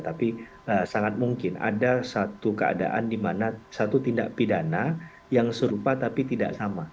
tapi sangat mungkin ada satu keadaan di mana satu tindak pidana yang serupa tapi tidak sama